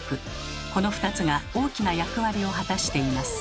この２つが大きな役割を果たしています。